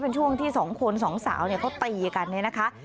เป็นช่วงที่สองคนสองสาวตีกันนะคะ